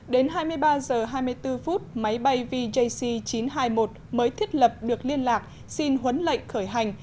đến hai mươi ba h hai mươi bốn phút máy bay vjc chín trăm hai mươi một mới thiết lập được liên lạc xin huấn lệnh khởi hành